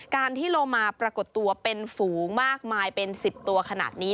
การที่โลมาปรากฏตัวเป็นฝูงมากมายเป็น๑๐ตัวขนาดนี้